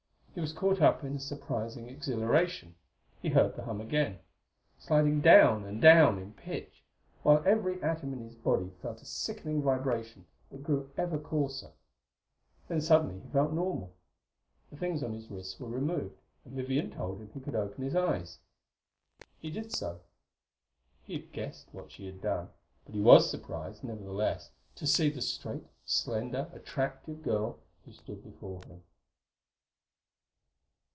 He was caught up in a surprising exhilaration; he heard the hum again, sliding down and down in pitch, while every atom in his body felt a sickening vibration that grew ever coarser. Then suddenly he felt normal; the things on his wrists were removed and Vivian told him he could open his eyes. He did so. He had guessed what she had done, but he was surprised, nevertheless, to see the straight, slender, attractive girl who stood before him.